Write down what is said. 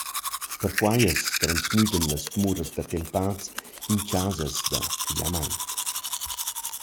Perquai as transmüdan las dmuras d’attempats in chasas da fliamaint.